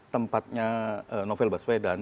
tempatnya novel baswedan